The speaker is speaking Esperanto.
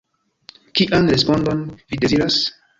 Kian respondon vi deziras?